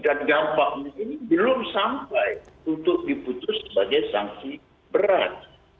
dan dampaknya ini belum sampai untuk diputus sebagai sanksi berat